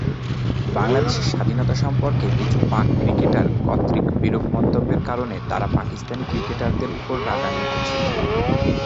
বাংলাদেশের স্বাধীনতা সম্পর্কে কিছু পাক ক্রিকেটার কর্তৃক বিরূপ মন্তব্যের কারণে তারা পাকিস্তানি ক্রিকেটারদের উপর রাগান্বিত ছিল।